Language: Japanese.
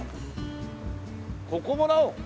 ここもらおう。